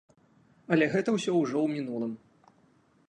Але гэта ўсё ўжо ў мінулым.